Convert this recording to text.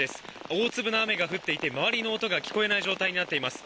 大粒の雨が降っていて周りの音が聞こえない状態になっています。